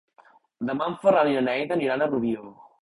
Demà en Ferran i na Neida aniran a Rubió.